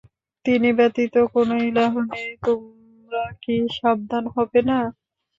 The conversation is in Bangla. তিনি ব্যতীত কোন ইলাহ নেই, তোমরা কি সাবধান হবে না?